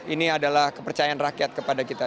ini adalah kepercayaan rakyat kepada kita